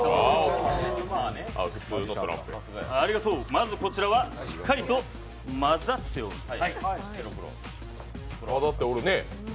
まずこちらはしっかりと混ざってるか。